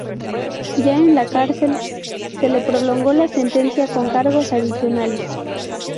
Ya en la cárcel, se le prolongó la sentencia con cargos adicionales.